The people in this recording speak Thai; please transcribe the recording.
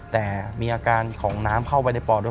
แต่มีอาการของน้ำเข้าไปในปอดด้วย